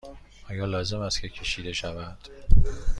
آیا لازم است که کشیده شود؟